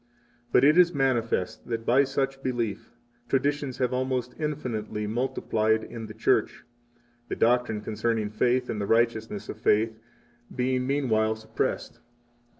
But it is manifest that, by such belief, traditions have almost infinitely multiplied in the Church, the doctrine concerning faith and the righteousness of faith being meanwhile suppressed.